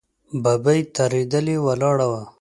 ببۍ ترهېدلې ولاړه وه.